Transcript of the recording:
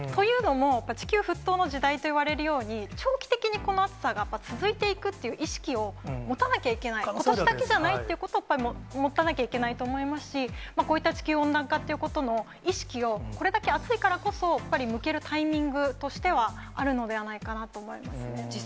というのも、地球沸騰の時代といわれるように、長期的にこの暑さがやっぱり続いていくっていう意識を持たなきゃいけない、ことしだけじゃないという意識を持たなきゃいけないと思いますし、こういった地球温暖化ってことの、意識をこれだけ暑いからこそ、やっぱり向けるタイミングとしてはあるのではないかなと思います